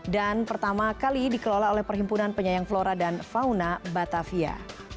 dan pertama kali dikelola oleh perhimpunan penyayang flora dan fauna batavia